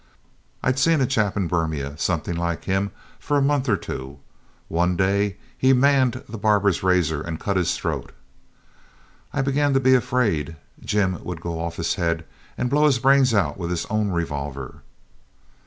I'd seen a chap in Berrima something like him for a month or two; one day he manned the barber's razor and cut his throat. I began to be afraid Jim would go off his head and blow his brains out with his own revolver.